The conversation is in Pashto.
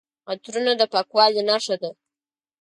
عطرونه د پاکوالي نښه ده.